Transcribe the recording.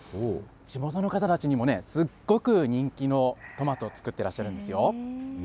地元の方たちにもすごく人気のトマトを作ってらっしゃるんですよ。